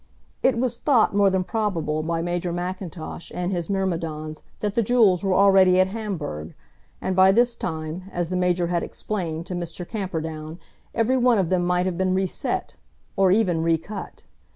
It was thought more than probable by Major Mackintosh and his myrmidons that the jewels were already at Hamburg; and by this time, as the major had explained to Mr. Camperdown, every one of them might have been reset, or even recut.